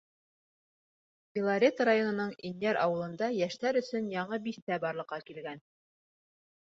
Белорет районының Инйәр ауылында йәштәр өсөн яңы биҫтә барлыҡҡа килгән.